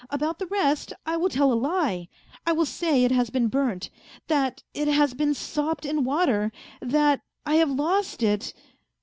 About the rest I will tell a lie. I will say it has been burnt, that it has been sopped in water, that I have lost it.